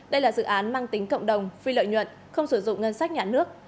đây là dự án mang tính cộng đồng phi lợi nhuận không sử dụng ngân sách nhà nước